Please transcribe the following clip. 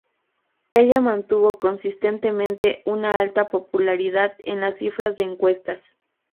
Ella mantuvo consistentemente una alta popularidad en las cifras de encuestas.